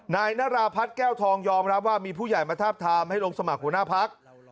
นายนราพัฒน์แก้วทองยอมรับว่ามีผู้ใหญ่มาทาบทามให้ลงสมัครหัวหน้าพัก